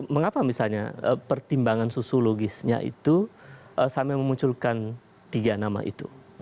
mengapa misalnya pertimbangan sosiologisnya itu sampai memunculkan tiga nama itu